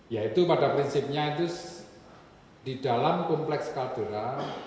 yaitu pada prinsipnya itu di dalam kompleks kaldura